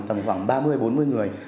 tầm khoảng ba mươi bốn mươi người